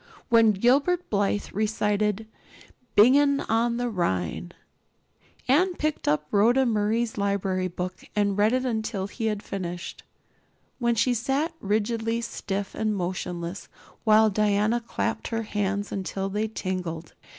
When Gilbert Blythe recited "Bingen on the Rhine" Anne picked up Rhoda Murray's library book and read it until he had finished, when she sat rigidly stiff and motionless while Diana clapped her hands until they tingled.